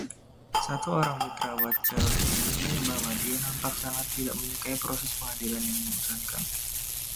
Satu orang mitra Wachtell menilai bahwa dia nampak sangat tidak menyukai proses pengadilan yang membosankan.